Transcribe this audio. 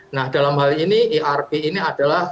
nah dalam hal ini erp ini adalah